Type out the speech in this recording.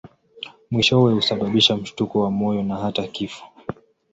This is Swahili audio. Mwishowe husababisha mshtuko wa moyo na hata kifo.